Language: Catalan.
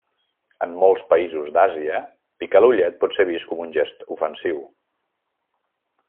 En molts països d'Àsia, picar l'ullet pot ser vist com un gest ofensiu.